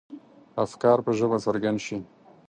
افکار په ژبه څرګند شي.